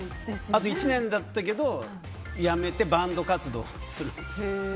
あと１年だったけど辞めてバンド活動するんです。